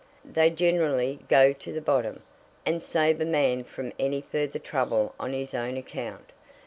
"They generally go to the bottom, and save a man from any further trouble on his own account."